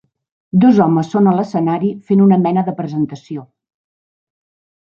Dos homes són a l'escenari fent una mena de presentació.